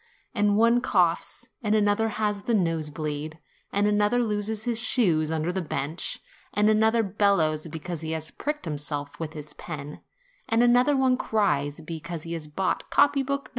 And one coughs, and another has the nosebleed, and another loses his shoes under the bench, and another bellows because he MY BROTHER'S SCHOOLMISTRESS 31 has pricked himself with his pen, and another one cries because he has bought copy book No.